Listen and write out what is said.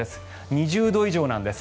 ２０度以上なんです。